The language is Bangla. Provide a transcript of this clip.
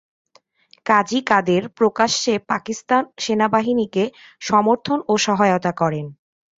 কাজী কাদের প্রকাশ্যে পাকিস্তান সেনাবাহিনীকে সমর্থন ও সহায়তা করেন।